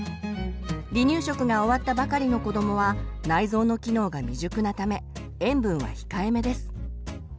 離乳食が終わったばかりの子どもは内臓の機能が未熟なため塩分は控えめです。